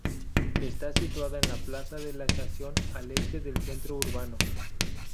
Está situada en la plaza de la Estación al este del centre urbano.